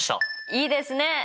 いいですね！